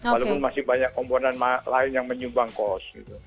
walaupun masih banyak komponen lain yang menyumbang kos